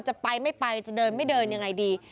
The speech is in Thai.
จะไปไม่ไปจะเดินไม่เดินยังไงดี